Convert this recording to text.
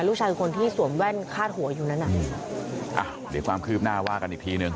ลูกชายคนที่สวมแว่นคาดหัวอยู่นั้นอ่ะเดี๋ยวความคืบหน้าว่ากันอีกทีหนึ่ง